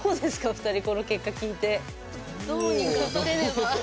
お二人この結果聞いて。